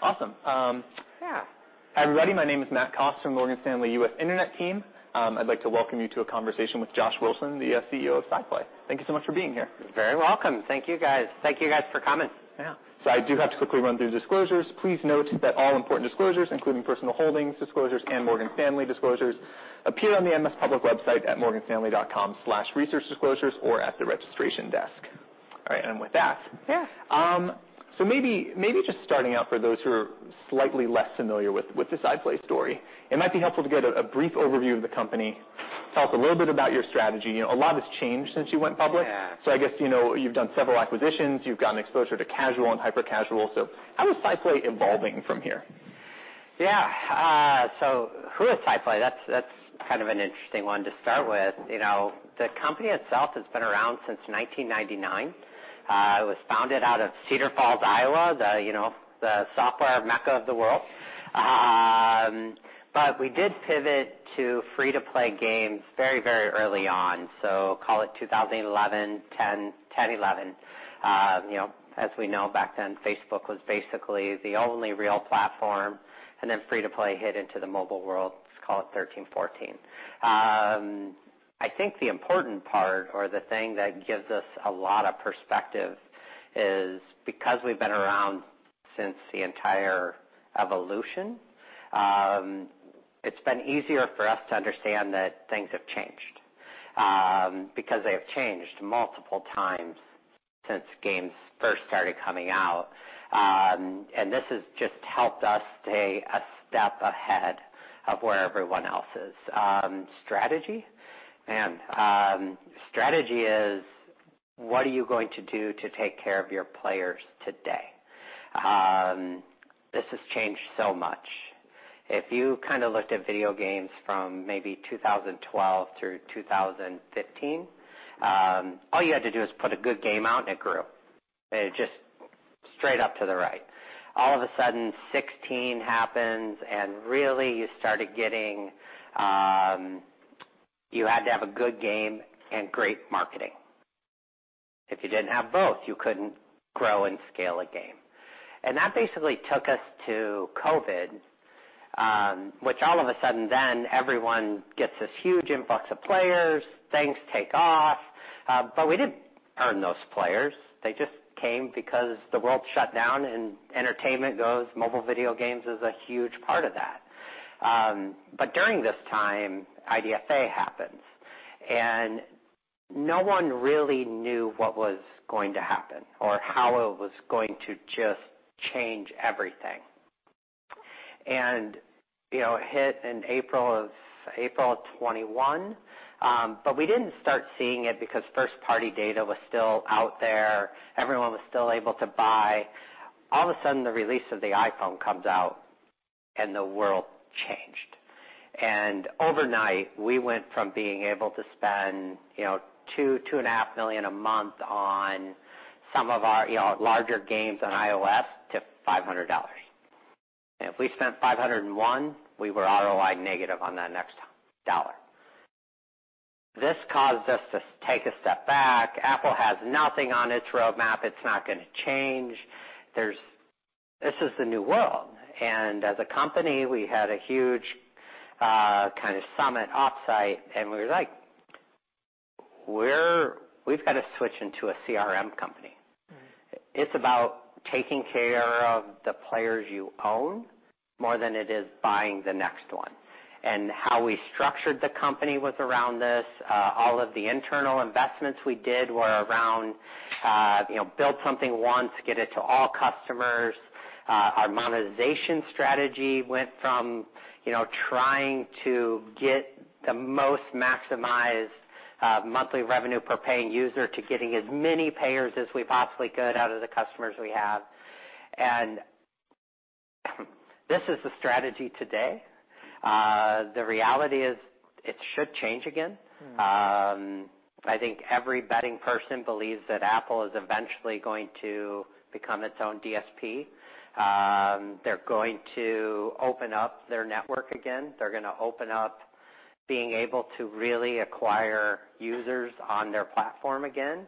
Hi, everybody. My name is Matt Cost from Morgan Stanley U.S. Internet team. I'd like to welcome you to a conversation with Josh Wilson, the CEO of SciPlay. Thank you so much for being here. You're very welcome. Thank you, guys. Thank you guys for coming. Yeah. I do have to quickly run through disclosures. Please note that all important disclosures, including personal holdings disclosures and Morgan Stanley disclosures, appear on the MS public website at morganstanley.com/researchdisclosures or at the registration desk. All right, with that. Yeah. Maybe just starting out for those who are slightly less familiar with the SciPlay story, it might be helpful to get a brief overview of the company. Tell us a little bit about your strategy. You know, a lot has changed since you went public. Yeah. I guess, you know, you've done several acquisitions. You've gotten exposure to casual and hyper-casual. How is SciPlay evolving from here? Yeah. Who is Zynga? That's kind of an interesting one to start with. You know, the company itself has been around since 1999. It was founded out of Cedar Falls, Iowa, the, you know, the software mecca of the world. We did pivot to free-to-play games very, very early on, so call it 2011, 10, 11. You know, as we know, back then, Facebook was basically the only real platform, free-to-play hit into the mobile world, let's call it 13, 14. I think the important part or the thing that gives us a lot of perspective is because we've been around since the entire evolution, it's been easier for us to understand that things have changed, because they have changed multiple times since games first started coming out. This has just helped us stay a step ahead of where everyone else is. Strategy. Man, strategy is what are you going to do to take care of your players today? This has changed so much. If you kind of looked at video games from maybe 2012 through 2015, all you had to do is put a good game out and it grew. It just straight up to the right. All of a sudden, 2016 happens, and really you started getting. You had to have a good game and great marketing. If you didn't have both, you couldn't grow and scale a game. That basically took us to COVID, which all of a sudden then everyone gets this huge influx of players, things take off. We didn't earn those players. They just came because the world shut down, entertainment goes, mobile video games is a huge part of that. During this time, IDFA happens, no one really knew what was going to happen or how it was going to just change everything. You know, it hit in April of 2021, but we didn't start seeing it because first party data was still out there. Everyone was still able to buy. All of a sudden, the release of the iPhone comes out, the world changed. Overnight, we went from being able to spend, you know, $2 and a half million a month on some of our, you know, larger games on iOS to $500. If we spent $501, we were ROI negative on that next dollar. This caused us to take a step back. Apple has nothing on its roadmap. It's not gonna change. This is the new world. As a company, we had a huge, kind of summit off-site, and we were like, "We've got to switch into a CRM company. Mm-hmm. It's about taking care of the players you own more than it is buying the next one. How we structured the company was around this. All of the internal investments we did were around, you know, build something once, get it to all customers. Our monetization strategy went from, you know, trying to get the most maximized monthly revenue per paying user to getting as many payers as we possibly could out of the customers we have. This is the strategy today. The reality is it should change again. Mm-hmm. I think every betting person believes that Apple is eventually going to become its own DSP. They're going to open up their network again. They're gonna open up being able to really acquire users on their platform again.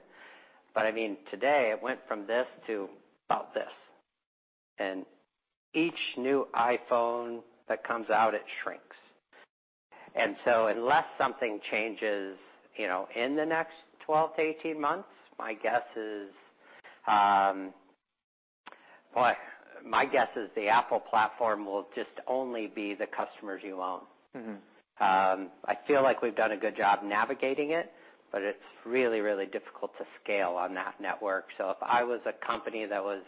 I mean, today, it went from this to about this. Each new iPhone that comes out, it shrinks. Unless something changes, you know, in the next 12 to 18 months, my guess is, boy, my guess is the Apple platform will just only be the customers you own. Mm-hmm. I feel like we've done a good job navigating it, but it's really difficult to scale on that network. If I was a company that was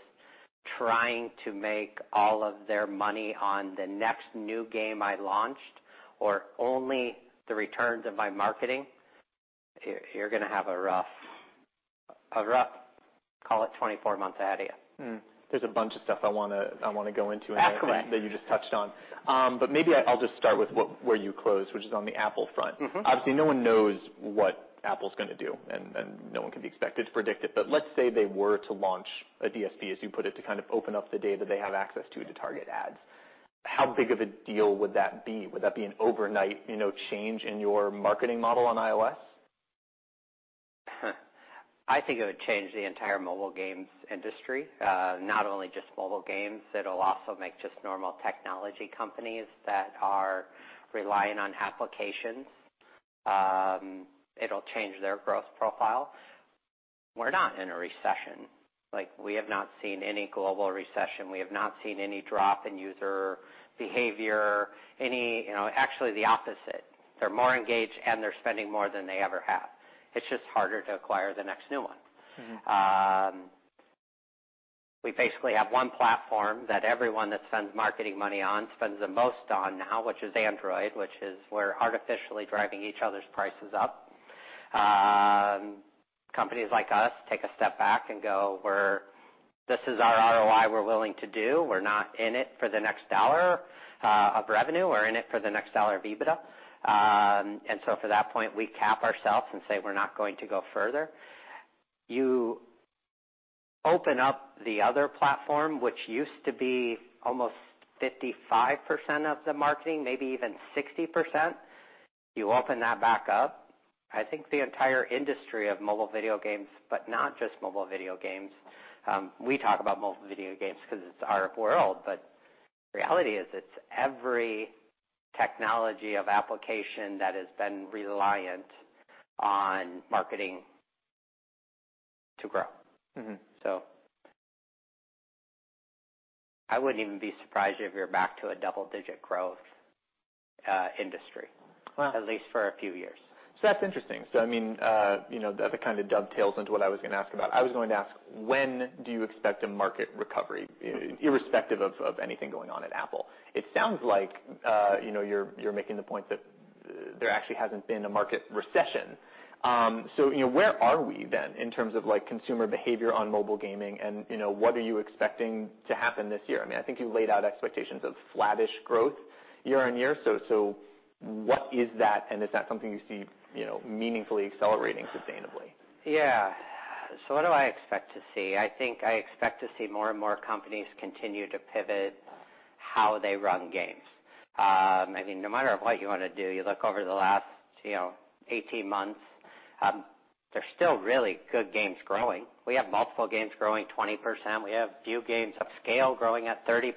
trying to make all of their money on the next new game I launched or only the returns of my marketing, you're gonna have a rough, call it 24 months ahead of you. There's a bunch of stuff I wanna go into. Absolutely. -that you just touched on. Maybe I'll just start with where you closed, which is on the Apple front. Mm-hmm. Obviously, no one knows what Apple's gonna do, and no one can be expected to predict it. Let's say they were to launch a DSP, as you put it, to kind of open up the data they have access to target ads. How big of a deal would that be? Would that be an overnight, you know, change in your marketing model on iOS? I think it would change the entire mobile games industry, not only just mobile games, it'll also make just normal technology companies that are relying on applications, it'll change their growth profile. We're not in a recession. Like, we have not seen any global recession. We have not seen any drop in user behavior. You know, actually the opposite. They're more engaged, and they're spending more than they ever have. It's just harder to acquire the next new one. Mm-hmm. We basically have one platform that everyone that spends marketing money on spends the most on now, which is Android, which is we're artificially driving each other's prices up. Companies like us take a step back and go, "This is our ROI we're willing to do. We're not in it for the next dollar of revenue. We're in it for the next dollar of EBITDA." For that point, we cap ourselves and say, "We're not going to go further." You open up the other platform, which used to be almost 55% of the marketing, maybe even 60%, you open that back up, I think the entire industry of mobile video games, but not just mobile video games, we talk about mobile video games because it's our world, but reality is it's every technology of application that has been reliant on marketing to grow. Mm-hmm. I wouldn't even be surprised if you're back to a double-digit growth industry. Wow. At least for a few years. That's interesting. I mean, you know, that kind of dovetails into what I was going to ask about. I was going to ask, when do you expect a market recovery, irrespective of anything going on at Apple? It sounds like, you know, you're making the point that there actually hasn't been a market recession. You know, where are we then in terms of, like, consumer behavior on mobile gaming and, you know, what are you expecting to happen this year? I mean, I think you laid out expectations of flattish growth year-over-year. What is that, and is that something you see, you know, meaningfully accelerating sustainably? What do I expect to see? I think I expect to see more and more companies continue to pivot how they run games. I mean, no matter what you want to do, you look over the last, you know, 18 months, there's still really good games growing. We have multiple games growing 20%. We have a few games of scale growing at 30%.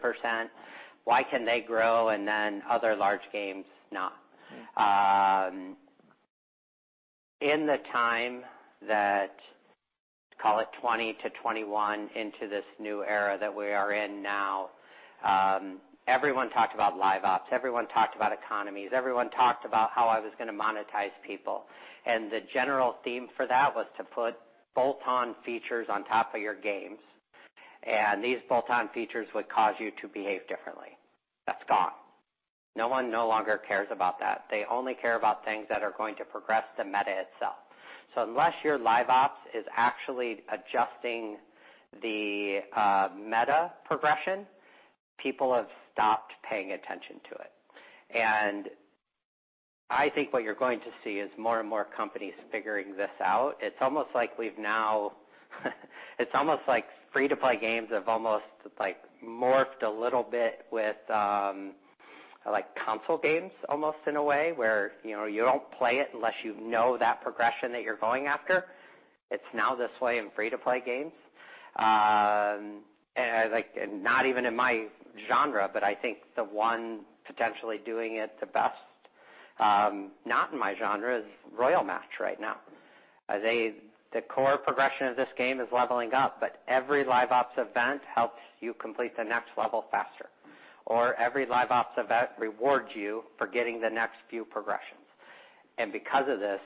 Why can they grow and then other large games not? In the time that, call it 2020 to 2021 into this new era that we are in now, everyone talked about LiveOps, everyone talked about economies, everyone talked about how I was gonna monetize people. The general theme for that was to put bolt-on features on top of your games, and these bolt-on features would cause you to behave differently. That's gone. No one no longer cares about that. They only care about things that are going to progress the meta itself. Unless your LiveOps is actually adjusting the meta progression, people have stopped paying attention to it. I think what you're going to see is more and more companies figuring this out. It's almost like free-to-play games have almost, like, morphed a little bit with, like console games almost in a way, where, you know, you don't play it unless you know that progression that you're going after. It's now this way in free-to-play games. Like, not even in my genre, but I think the one potentially doing it the best, not in my genre, is Royal Match right now. The core progression of this game is leveling up, but every LiveOps event helps you complete the next level faster, or every LiveOps event rewards you for getting the next few progressions. Because of this,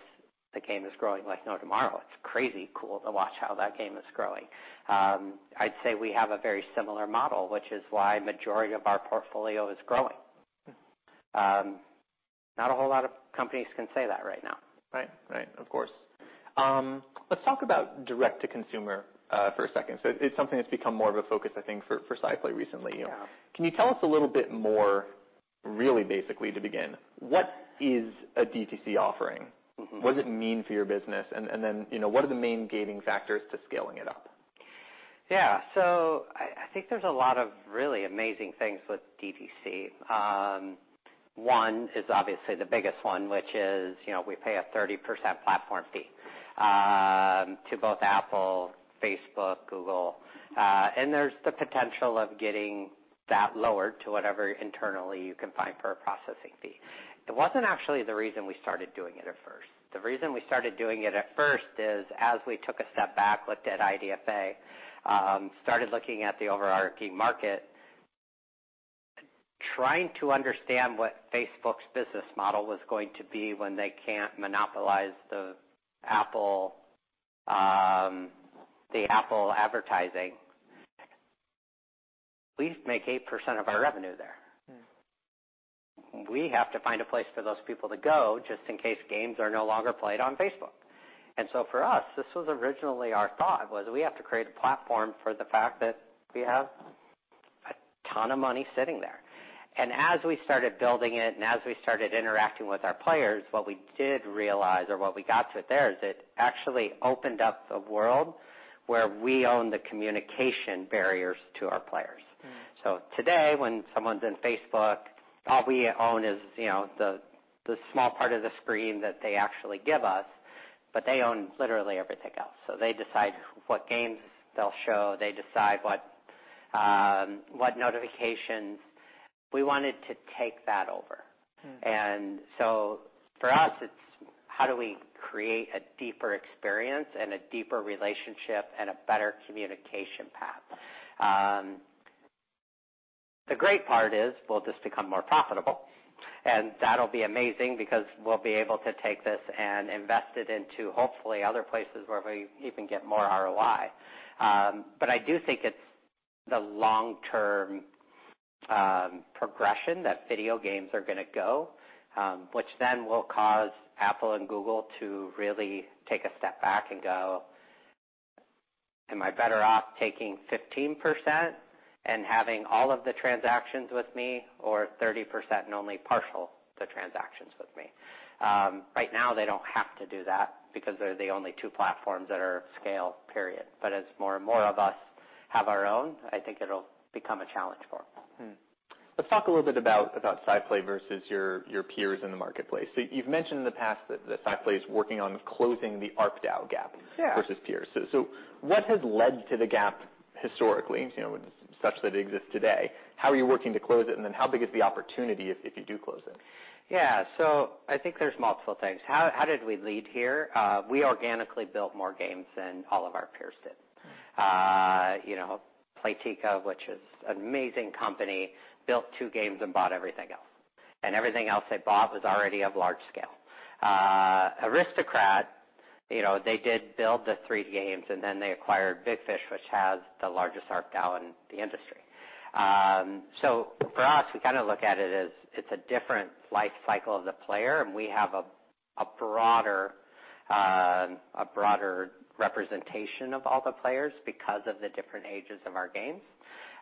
the game is growing like no tomorrow. It's crazy cool to watch how that game is growing. I'd say we have a very similar model, which is why majority of our portfolio is growing. Not a whole lot of companies can say that right now. Right. Right. Of course. let's talk about direct to consumer for a second. It's something that's become more of a focus, I think, for SciPlay recently. Yeah. Can you tell us a little bit more, really basically to begin, what is a DTC offering? Mm-hmm. What does it mean for your business? You know, what are the main gating factors to scaling it up? I think there's a lot of really amazing things with DTC. One is obviously the biggest one, which is, you know, we pay a 30% platform fee to both Apple, Facebook, Google. There's the potential of getting that lowered to whatever internally you can find per processing fee. It wasn't actually the reason we started doing it at first. The reason we started doing it at first is as we took a step back, looked at IDFA, started looking at the overarching market, trying to understand what Facebook's business model was going to be when they can't monopolize the Apple advertising. We make 8% of our revenue there. Mm-hmm. We have to find a place for those people to go just in case games are no longer played on Facebook. For us, this was originally our thought, was we have to create a platform for the fact that we have a ton of money sitting there. As we started building it and as we started interacting with our players, what we did realize or what we got to there is it actually opened up a world where we own the communication barriers to our players. Mm-hmm. Today, when someone's in Facebook. All we own is, you know, the small part of the screen that they actually give us, but they own literally everything else. They decide what games they'll show. They decide what notifications. We wanted to take that over. Mm. For us, it's how do we create a deeper experience and a deeper relationship and a better communication path. The great part is we'll just become more profitable, and that'll be amazing because we'll be able to take this and invest it into, hopefully, other places where we even get more ROI. I do think it's the long-term progression that video games are gonna go, which then will cause Apple and Google to really take a step back and go, "Am I better off taking 15% and having all of the transactions with me, or 30% and only partial the transactions with me?" Right now, they don't have to do that because they're the only two platforms that are scale, period. As more and more of us have our own, I think it'll become a challenge for them. Let's talk a little bit about SciPlay versus your peers in the marketplace. You've mentioned in the past that SciPlay is working on closing the ARPDAU gap. Yeah... versus peers. What has led to the gap historically, you know, such that it exists today? How are you working to close it? Then how big is the opportunity if you do close it? Yeah. I think there's multiple things. How did we lead here? We organically built more games than all of our peers did. You know, Playtika, which is amazing company, built 2 games and bought everything else, and everything else they bought was already of large scale. Aristocrat, you know, they did build the 3 games, and then they acquired Big Fish, which has the largest ARPDAU in the industry. For us, we kind of look at it as it's a different life cycle of the player, and we have a broader, a broader representation of all the players because of the different ages of our games.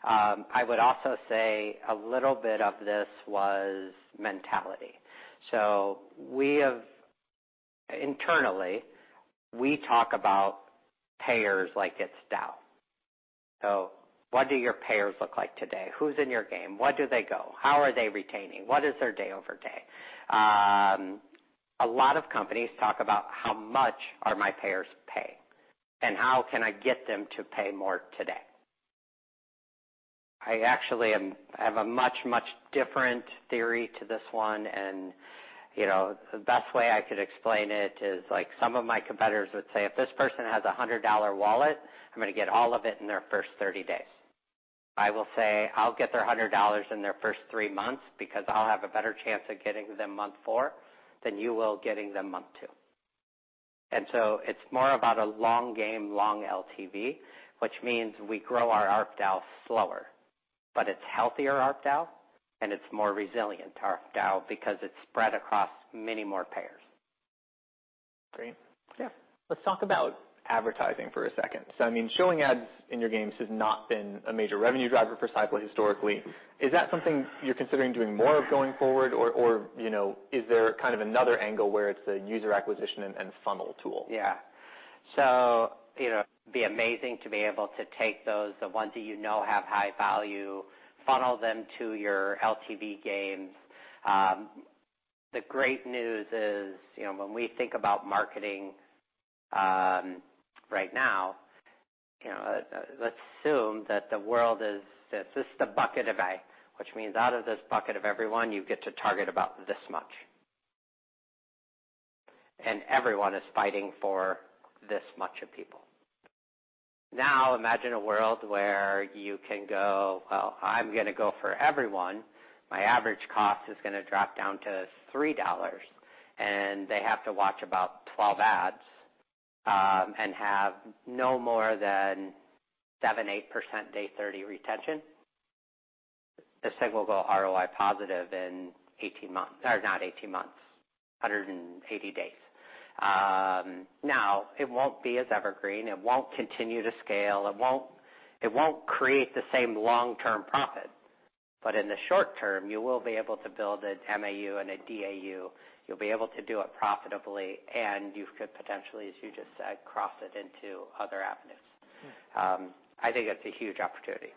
I would also say a little bit of this was mentality. We have... Internally, we talk about payers like it's DAU. What do your payers look like today? Who's in your game? Where do they go? How are they retaining? What is their day-over-day? A lot of companies talk about how much are my payers paying, and how can I get them to pay more today? I actually have a much, much different theory to this one, and, you know, the best way I could explain it is like some of my competitors would say, "If this person has a $100 wallet, I'm gonna get all of it in their first 30 days." I will say, "I'll get their $100 in their first three months because I'll have a better chance of getting them month four than you will getting them month two." It's more about a long game, long LTV, which means we grow our ARPDAU slower, but it's healthier ARPDAU, and it's more resilient ARPDAU because it's spread across many more payers. Great. Yeah. Let's talk about advertising for a second. I mean, showing ads in your games has not been a major revenue driver for SciPlay historically. Is that something you're considering doing more of going forward or, you know, is there kind of another angle where it's the user acquisition and funnel tool? Yeah. you know, it'd be amazing to be able to take those, the ones that you know have high value, funnel them to your LTV games. The great news is, you know, when we think about marketing, right now, you know, let's assume that the world is This is the bucket of A, which means out of this bucket of everyone, you get to target about this much. Everyone is fighting for this much of people. Now, imagine a world where you can go, "Well, I'm gonna go for everyone. My average cost is gonna drop down to $3, and they have to watch about 12 ads, and have no more than 7%, 8% day 30 retention." The seg will go ROI positive in 18 months, or not 18 months, 180 days. It won't be as evergreen. It won't continue to scale. It won't create the same long-term profit. In the short term, you will be able to build a MAU and a DAU. You'll be able to do it profitably, and you could potentially, as you just said, cross it into other avenues. I think that's a huge opportunity.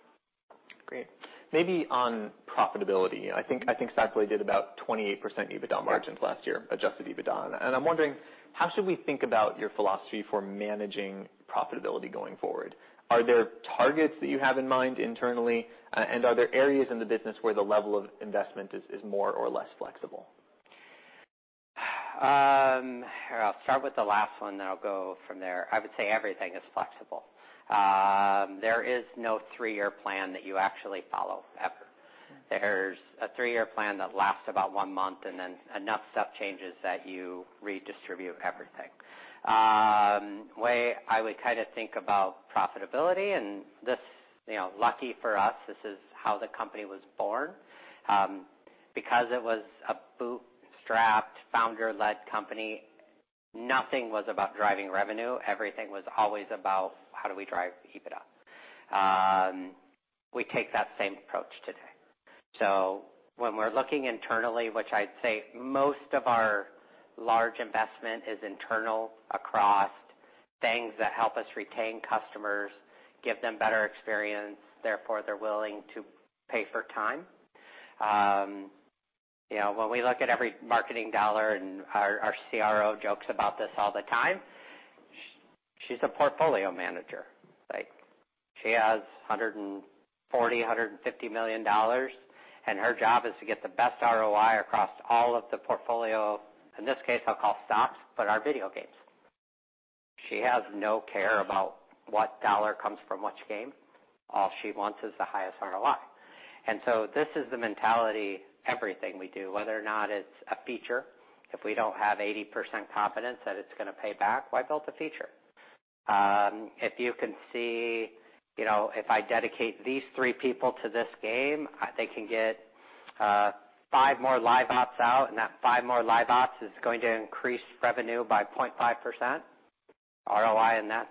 Great. Maybe on profitability, I think SciPlay did about 28% EBITDA margins last year, adjusted EBITDA. I'm wondering, how should we think about your philosophy for managing profitability going forward? Are there targets that you have in mind internally, and are there areas in the business where the level of investment is more or less flexible? I'll start with the last one. I'll go from there. I would say everything is flexible. There is no 3-year plan that you actually follow ever. There's a 3-year plan that lasts about 1 month. Enough stuff changes that you redistribute everything. Way I would kind of think about profitability, this, you know, lucky for us, this is how the company was born. Because it was a bootstrapped, founder-led company, nothing was about driving revenue. Everything was always about how do we drive EBITDA. We take that same approach today. When we're looking internally, which I'd say most of our large investment is internal across things that help us retain customers, give them better experience, therefore they're willing to pay for time. You know, when we look at every marketing dollar, our CRO jokes about this all the time. She's a portfolio manager. Like, she has $140 million-$150 million, and her job is to get the best ROI across all of the portfolio. In this case, I'll call stops, but our video games. She has no care about what dollar comes from which game. All she wants is the highest ROI. This is the mentality, everything we do, whether or not it's a feature. If we don't have 80% confidence that it's gonna pay back, why build the feature? If you can see, you know, if I dedicate these three people to this game, they can get five more LiveOps out, and that five more LiveOps is going to increase revenue by 0.5% ROI, and that's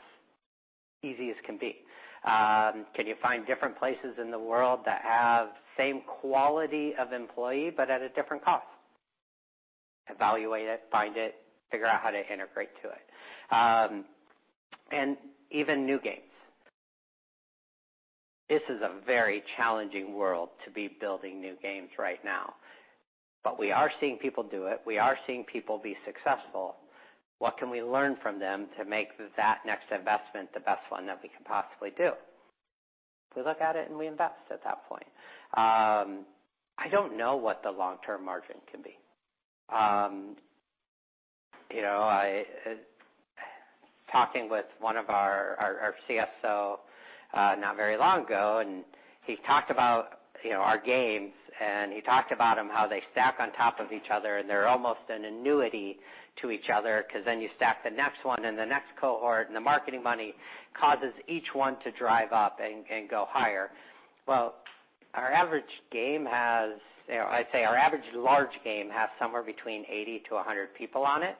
easy as can be. Can you find different places in the world that have same quality of employee but at a different cost? Evaluate it, find it, figure out how to integrate to it. Even new games. This is a very challenging world to be building new games right now, but we are seeing people do it. We are seeing people be successful. What can we learn from them to make that next investment the best one that we can possibly do? We look at it and we invest at that point. I don't know what the long-term margin can be. You know, Talking with one of our CSO not very long ago, and he talked about, you know, our games, and he talked about them how they stack on top of each other, and they're almost an annuity to each other because then you stack the next one and the next cohort, and the marketing money causes each one to drive up and go higher. Well, our average game has. You know, I'd say our average large game has somewhere between 80 to 100 people on it.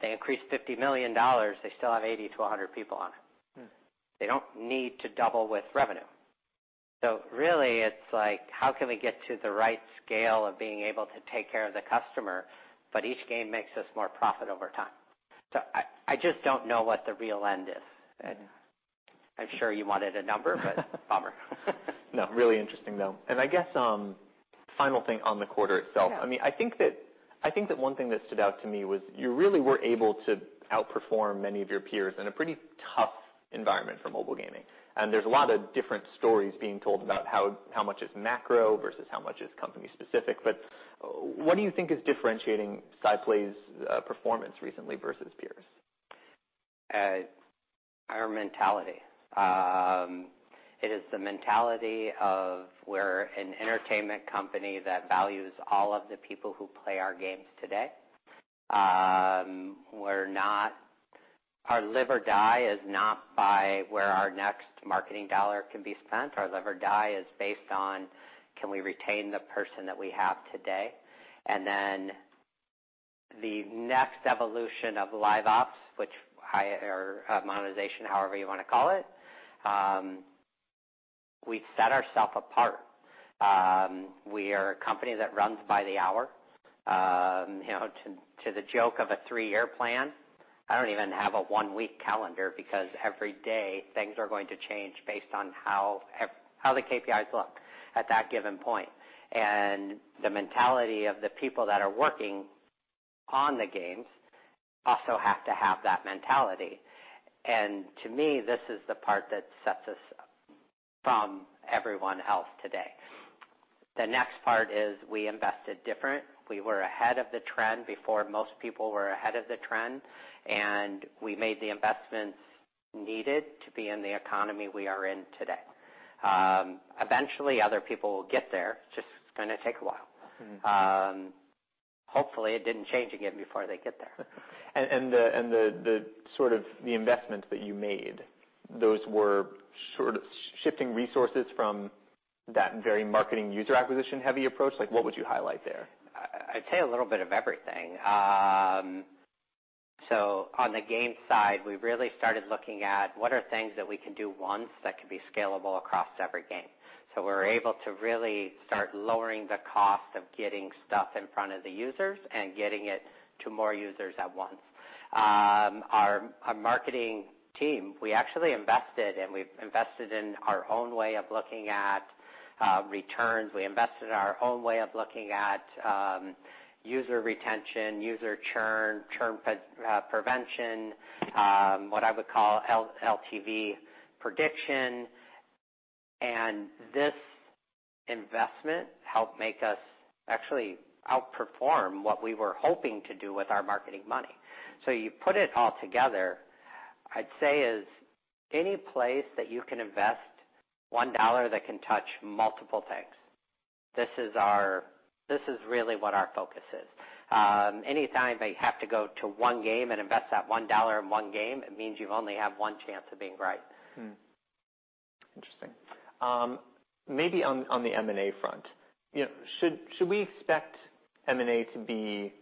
They increase $50 million, they still have 80 to 100 people on it. Mm. They don't need to double with revenue. Really, it's like, how can we get to the right scale of being able to take care of the customer, but each game makes us more profit over time? I just don't know what the real end is. I'm sure you wanted a number, but bummer. No, really interesting though. I guess, final thing on the quarter itself. Yeah. I mean, I think that one thing that stood out to me was you really were able to outperform many of your peers in a pretty tough environment for mobile gaming. There's a lot of different stories being told about how much is macro versus how much is company specific. What do you think is differentiating SciPlay's performance recently versus peers? Our mentality. It is the mentality of we're an entertainment company that values all of the people who play our games today. Our live or die is not by where our next marketing dollar can be spent. Our live or die is based on can we retain the person that we have today. Then the next evolution of LiveOps, which high or monetization, however you wanna call it, we set ourselves apart. We are a company that runs by the hour. you know, to the joke of a three-year plan, I don't even have a one-week calendar because every day things are going to change based on how the KPIs look at that given point. The mentality of the people that are working on the games also have to have that mentality. To me, this is the part that sets us from everyone else today. The next part is we invested different. We were ahead of the trend before most people were ahead of the trend, and we made the investments needed to be in the economy we are in today. Eventually other people will get there. It's just gonna take a while. Mm-hmm. Hopefully it didn't change again before they get there. The sort of the investments that you made, those were sort of shifting resources from that very marketing user acquisition-heavy approach. Like, what would you highlight there? I'd say a little bit of everything. on the game side, we really started looking at what are things that we can do once that can be scalable across every game. we're able to really start lowering the cost of getting stuff in front of the users and getting it to more users at once. Our marketing team, we actually invested, and we've invested in our own way of looking at returns. We invested in our own way of looking at user retention, user churn prevention, what I would call LTV prediction. This investment helped make us actually outperform what we were hoping to do with our marketing money. You put it all together, I'd say is any place that you can invest $1 that can touch multiple things. This is our... This is really what our focus is. Anytime they have to go to 1 game and invest that $1 in 1 game, it means you only have 1 chance of being right. Interesting. Maybe on the M&A front. You know, should we expect M&A to be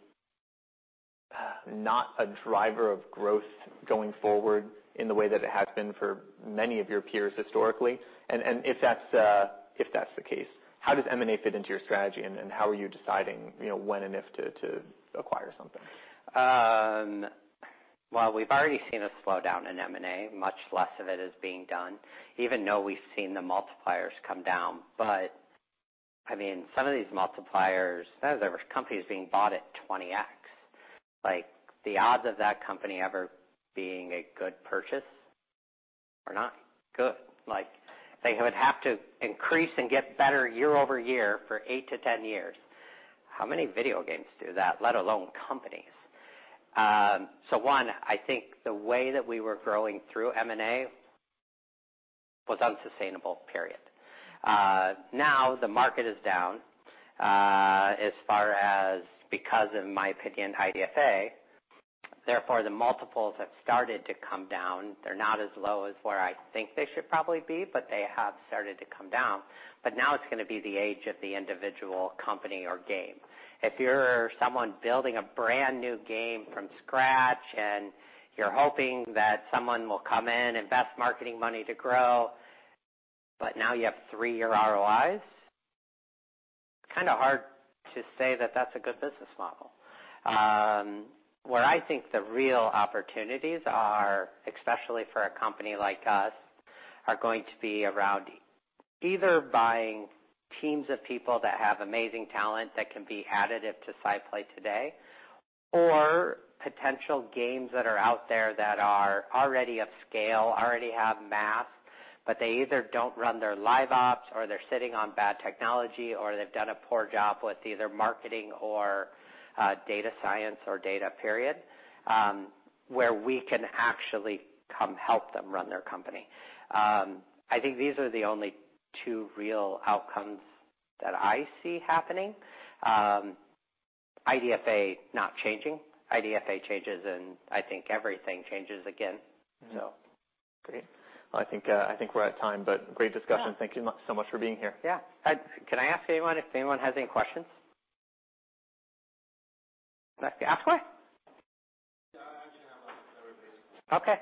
not a driver of growth going forward in the way that it has been for many of your peers historically. If that's, if that's the case, how does M&A fit into your strategy and how are you deciding, you know, when and if to acquire something? Well, we've already seen a slowdown in M&A. Much less of it is being done, even though we've seen the multipliers come down. I mean, some of these multipliers, some of these companies being bought at 20x, like, the odds of that company ever being a good purchase are not good. Like, they would have to increase and get better year over year for 8-10 years. How many video games do that, let alone companies? One, I think the way that we were growing through M&A was unsustainable, period. Now the market is down, as far as because, in my opinion, IDFA, therefore the multiples have started to come down. They're not as low as where I think they should probably be, they have started to come down. Now it's gonna be the age of the individual company or game. If you're someone building a brand-new game from scratch, and you're hoping that someone will come in, invest marketing money to grow, but now you have three-year ROIs, kind of hard to say that that's a good business model. Where I think the real opportunities are, especially for a company like us, are going to be around either buying teams of people that have amazing talent that can be additive to SciPlay today or potential games that are out there that are already of scale, already have mass, but they either don't run their LiveOps or they're sitting on bad technology or they've done a poor job with either marketing or data science or data. Where we can actually come help them run their company. I think these are the only two real outcomes that I see happening. IDFA not changing. IDFA changes, and I think everything changes again. Great. Well, I think, I think we're at time, but great discussion. Yeah. Thank you so much for being here. Yeah. Can I ask anyone if anyone has any questions? Ask away. Yeah, I actually have one. Okay.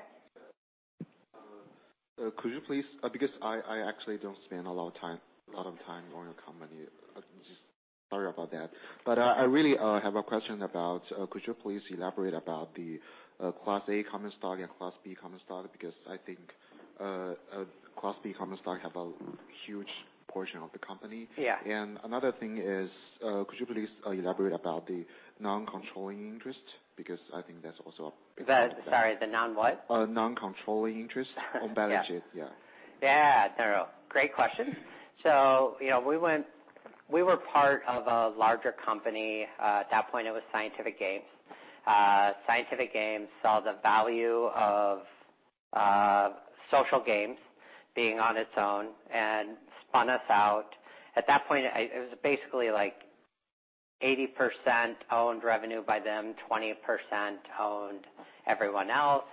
Because I actually don't spend a lot of time on your company. Just sorry about that. I really have a question about, could you please elaborate about the Class A common stock and Class B common stock? Because I think Class B common stock have a huge portion of the company. Yeah. Another thing is, could you please elaborate about the non-controlling interest? The, sorry, the non what? Non-controlling interest on balance sheet. Yeah. Yeah. Yeah. No, great question. You know, we were part of a larger company. At that point, it was Scientific Games. Scientific Games saw the value of social games being on its own and spun us out. At that point, it was basically like 80% owned revenue by them, 20% owned everyone else.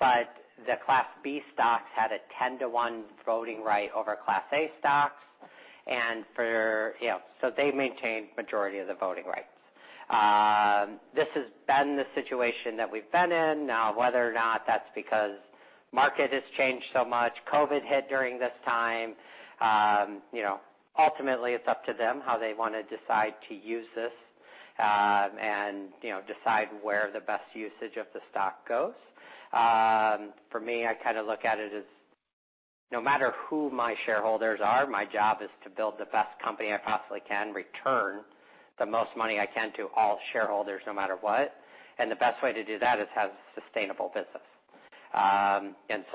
But the Class B stocks had a 10-to-1 voting right over Class A stocks. For, you know, so they maintained majority of the voting rights. This has been the situation that we've been in. Now, whether or not that's because market has changed so much, COVID hit during this time, you know, ultimately it's up to them how they wanna decide to use this, and, you know, decide where the best usage of the stock goes. For me, I kind of look at it as no matter who my shareholders are, my job is to build the best company I possibly can, return the most money I can to all shareholders, no matter what. The best way to do that is have sustainable business.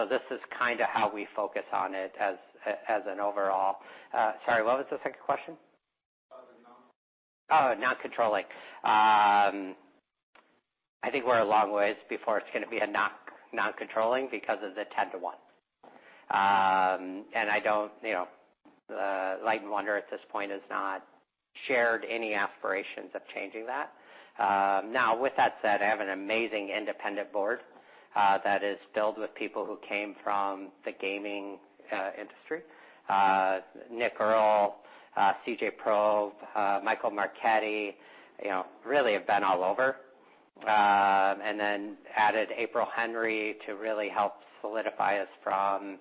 This is kind of how we focus on it as an overall... sorry, what was the second question? About the non. Oh, non-controlling. I think we're a long ways before it's gonna be a non-controlling because of the 10 to 1. I don't, you know, Light & Wonder at this point has not shared any aspirations of changing that. Now with that said, I have an amazing independent board that is filled with people who came from the gaming industry. Nick Earl, C.J. Prober, Michael Marchetti, you know, really have been all over. Then added April Henry to really help solidify us from,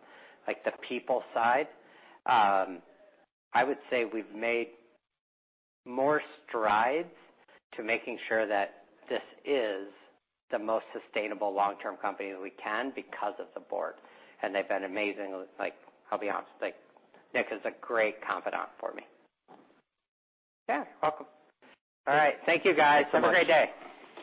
like, the people side. I would say we've made more strides to making sure that this is the most sustainable long-term company we can because of the board, and they've been amazing. Like, I'll be honest, like, Nick is a great confidant for me. Yeah, welcome. All right. Thank you, guys. Have a great day.